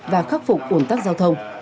và khắc phục ổn tắc giao thông